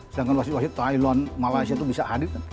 sedangkan wasit wasit thailand malaysia itu bisa hadir